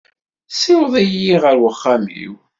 Siweḍ-iyi ɣer uxxam-iw.